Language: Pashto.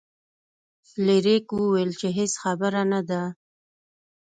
فلیریک وویل چې هیڅ خبره نه ده.